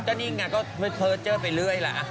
ก็นี่ไงก็เพอร์เจอร์ไปเรื่อยล่ะ